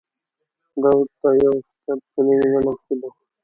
دا ورته یو ستر چلنج ګڼل کېده.